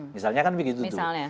misalnya kan begitu